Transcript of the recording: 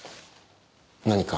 何か？